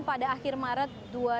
pada akhir maret dua ribu dua puluh